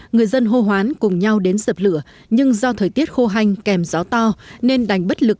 người dân hô hoán cùng nhau đến sập lửa nhưng do thời tiết khô hành kèm gió to nên đánh bất lực